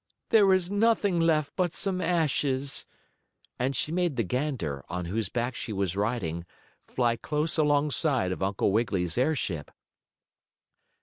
There is nothing left but some ashes," and she made the gander, on whose back she was riding, fly close alongside of Uncle Wiggily's airship.